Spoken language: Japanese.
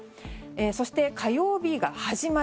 そして、火曜日が始まり。